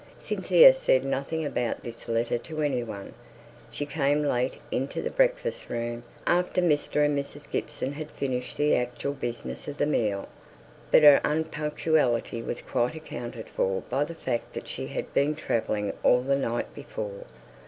Cynthia said nothing about this letter to any one. She came late into the breakfast room, after Mr. and Mrs. Gibson had finished the actual business of the meal; but her unpunctuality was quite accounted for by the fact that she had been travelling all the night before.